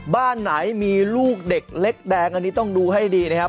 บ้านไหนมีลูกเด็กเล็กแดงอันนี้ต้องดูให้ดีนะครับ